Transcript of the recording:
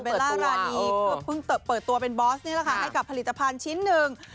เบลาราดีเพิ่งเปิดตัวเป็นบอสนี้แล้วกับผลิตภัณฑ์ชิ้นนึง